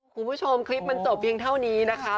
คุณผู้ชมคลิปมันจบเพียงเท่านี้นะคะ